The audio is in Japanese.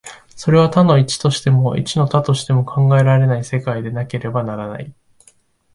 それは多の一としても、一の多としても考えられない世界でなければならない。